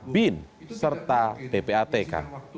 bin serta ppatk